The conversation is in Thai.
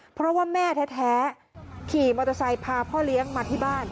เพราะว่าแม่แท้ขี่มอเตอร์ไซค์พาพ่อเลี้ยงมาที่บ้าน